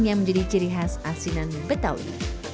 yang menjadi ciri khas asinan betawi